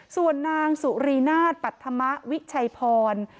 ส่วนนางสุรีนาศปัธมะวิชัยพร